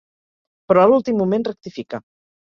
Però a l'últim moment rectifica.